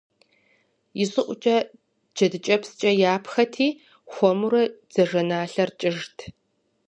Ищӏыӏукӏэ джэдыкӏэпскӏэ япхэти, хуэмурэ дзажэналъэр кӏыжт.